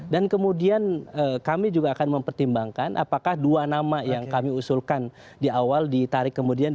kemudian kami juga akan mempertimbangkan apakah dua nama yang kami usulkan di awal ditarik kemudian